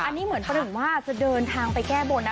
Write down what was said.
อันนี้เหมือนถามว่าจะเดินทางไปแก้โบนนะ